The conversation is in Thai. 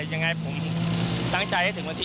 ยังไงผมตั้งใจให้ถึงวันที่